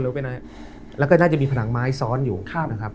แล้วไปไหนแล้วก็น่าจะมีผนังไม้ซ้อนอยู่ครับนะครับ